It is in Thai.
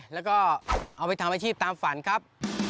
แล้วก็เอาไปทำอาชีพตามฝันครับ